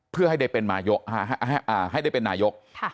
เพื่อให้ได้เป็นนายกให้ได้เป็นนายก